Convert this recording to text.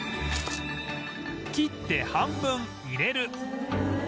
切って半分入れる